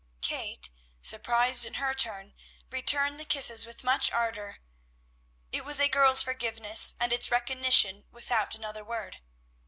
Kate, surprised in her turn, returned the kisses with much ardor. It was a girl's forgiveness, and its recognition, without another word.